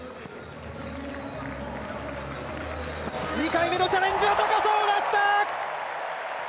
２回目のチャレンジは高さを出した！